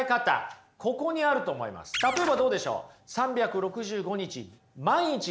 例えばどうでしょう？